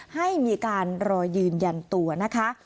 ให้มีการรอยืนยันตัวนะคะ